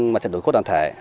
mặt trận đối quốc đoàn thể